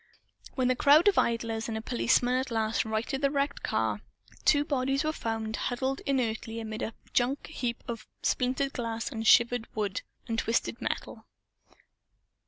When a crowd of idlers and a policeman at last righted the wrecked car, two bodies were found huddled inertly amid a junk heap of splintered glass and shivered wood and twisted metal.